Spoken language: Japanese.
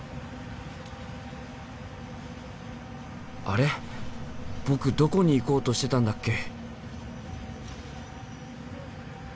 あれ僕どこに行こうとしてたんだっけ？